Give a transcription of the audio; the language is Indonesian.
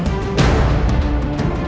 nyarian anda adalah kekutukmu